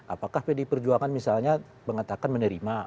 apakah pdi perjuangan misalnya mengatakan menerima